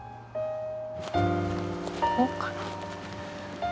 ここかな。